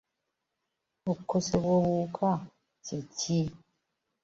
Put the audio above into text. Okukosebwa obuwuka kye ki?